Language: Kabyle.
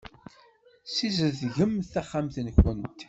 Sizedgemt taxxamt-nkent.